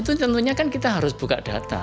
itu tentunya kan kita harus buka data